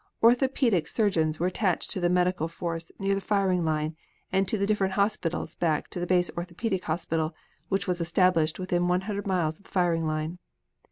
Orthopedic surgeons were attached to the medical force near the firing line and to the different hospitals back to the base orthopedic hospital which was established within one hundred miles of the firing line.